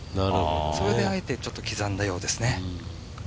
それであえてちょっと刻んだようですね。